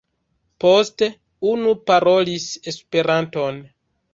Poste unu parolis Esperanton.